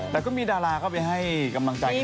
แต่ก็มีดาราเข้าไปให้กำลังใจกัน